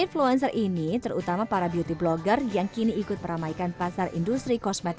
influencer ini terutama para beauty blogger yang kini ikut meramaikan pasar industri kosmetik